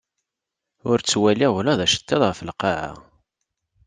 Ur ttwaliɣ ula d aceṭṭiḍ ɣef lqaɛa.